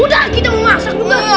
udah kita mau masak